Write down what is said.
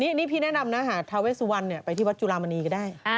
นี่พี่แนะนำนะหาทาเวสุวรรณไปที่วัดจุลามณีก็ได้